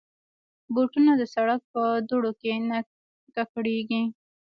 بوټونه د سړک په دوړو کې نه ککړېږي.